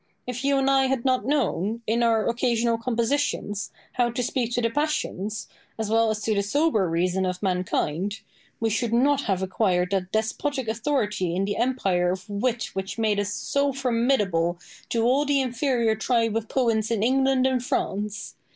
If you and I had not known, in our occasional compositions, how to speak to the passions, as well as to the sober reason of mankind, we should not have acquired that despotic authority in the empire of wit which made us so formidable to all the inferior tribe of poets in England and France.